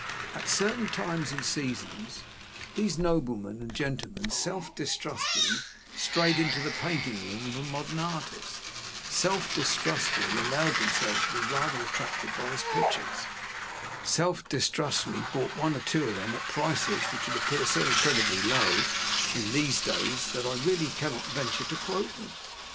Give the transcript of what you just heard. At certain times and seasons, these noblemen and gentlemen self distrustfully strayed into the painting room of a modern artist, self distrustfully allowed themselves to be rather attracted by his pictures, self distrustfully bought one or two of them at prices which would appear so incredibly low, in these days, that I really cannot venture to quote them.